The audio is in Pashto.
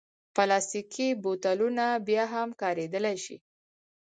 پلاستيکي بوتلونه بیا هم کارېدلی شي.